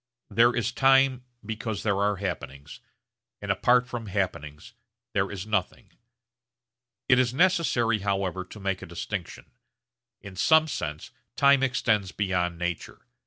There is time because there are happenings, and apart from happenings there is nothing. It is necessary however to make a distinction. In some sense time extends beyond nature.